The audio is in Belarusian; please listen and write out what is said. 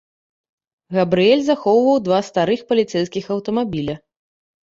Габрыэль захоўваў два старых паліцэйскіх аўтамабіля.